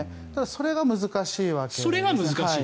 それが難しいわけです。